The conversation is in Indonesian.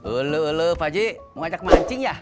ulu ulu fajik mau ajak mancing ya